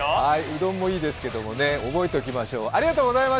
うどんもいいですけど覚えておきましょう。